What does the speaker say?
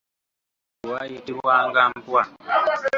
Bwayitibwanga mpwa.